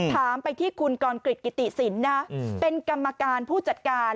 ถามไปที่คุณกรกริจกิติศิลป์นะเป็นกรรมการผู้จัดการ